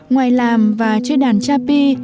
ngoài làm và chơi đàn cha pi